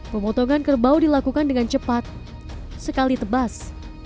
pemotongan kerbau dilakukan dengan cepat sekali tebas